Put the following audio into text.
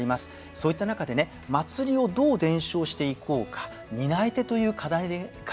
そういった中でね祭りをどう伝承していこうか担い手という課題があるわけなんですね。